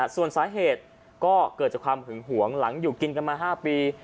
ส่วนสาเหตุก็เกิดจากความหึงหวงหลังอยู่กินกันมา๕ปี